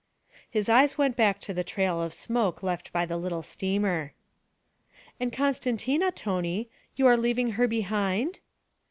His eyes went back to the trail of smoke left by the little steamer. 'And Costantina, Tony. You are leaving her behind?'